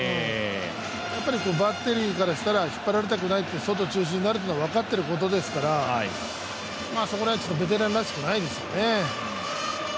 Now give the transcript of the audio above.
やっぱりバッテリーからしたら引っ張られたくない、外中心になるというのは分かっていることですからそこら辺、ベテランらしくないですよね。